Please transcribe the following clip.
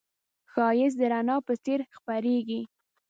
ښایست د رڼا په څېر خپرېږي